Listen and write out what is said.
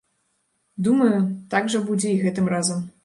Думаю, так жа будзе і гэтым разам.